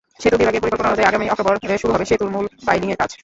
সেতু বিভাগের পরিকল্পনা অনুযায়ী, আগামী অক্টোবরে শুরু হবে সেতুর মূল পাইলিংয়ের কাজ।